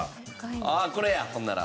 ああこれやほんなら。